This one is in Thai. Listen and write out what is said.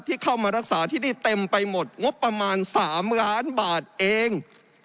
ที่เข้ามารักษาที่นี่เต็มไปหมดงบประมาณ๓ล้านบาทเอง